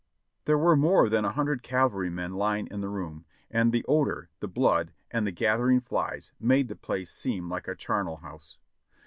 There were more than a hundred cavalrymen lying in the room, and the odor, the blood and the gathering flies made the place seem like a charnel house.